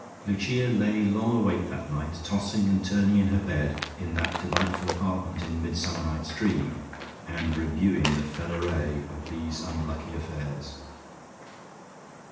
Lucia lay long awake that night, tossing and turning in her bed in that delightful apartment in "Midsummer Night's Dream," and reviewing the fell array of these unlucky affairs.